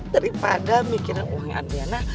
daripada mikir uangnya andriana